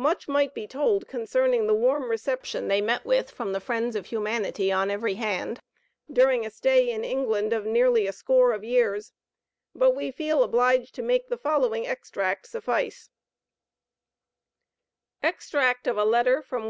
Much might be told concerning the warm reception they met with from the friends of humanity on every hand, during a stay in England of nearly a score of years, but we feel obliged to make the following extract suffice: EXTRACT OF A LETTER FROM WM.